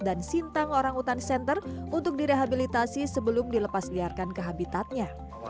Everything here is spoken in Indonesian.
dan sintang orang hutan center untuk direhabilitasi sebelum dilepasliarkan ke habitatnya